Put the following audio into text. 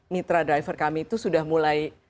mitra driver kami itu sudah mulai